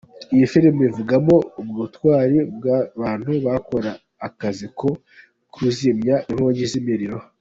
Iyi filime ivugamo ubutwari bw’abantu bakora akazi ko kuzimya inkongi z’imiriro.